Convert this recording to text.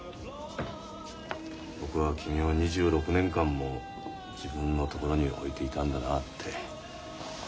僕は君を２６年間も自分のところに置いていたんだなあって。